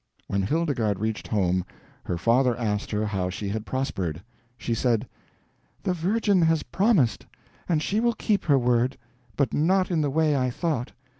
When Hildegarde reached home, her father asked her how she had prospered. She said "The Virgin has promised, and she will keep her word; but not in the way I thought.